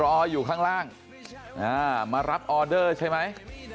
รออยู่ข้างล่างมารับออเดอร์ใช่ไหม